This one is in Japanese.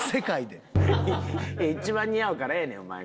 一番似合うからええねんお前が。